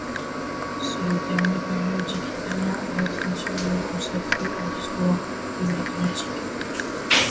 C'est le premier périodique italien à être entièrement consacré à l'histoire des mathématiques.